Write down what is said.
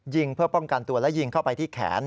เพื่อป้องกันตัวและยิงเข้าไปที่แขน